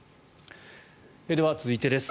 では、続いてです。